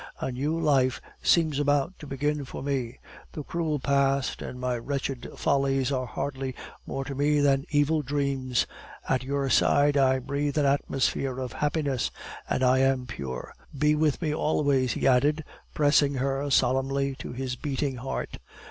A new life seems about to begin for me. The cruel past and my wretched follies are hardly more to me than evil dreams. At your side I breathe an atmosphere of happiness, and I am pure. Be with me always," he added, pressing her solemnly to his beating heart.